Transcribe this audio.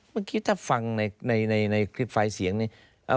เมื่อกี้ถ้าฟังในคลิปไฟล์เสียงนี้